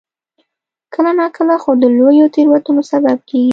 کله ناکله خو د لویو تېروتنو سبب کېږي.